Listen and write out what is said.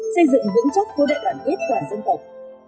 xây dựng vững chốc của đệ đoàn kết toàn dân tộc